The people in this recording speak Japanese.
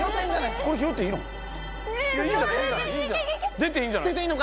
出ていいんじゃない？